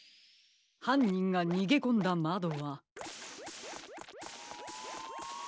はんにんがにげこんだまどは。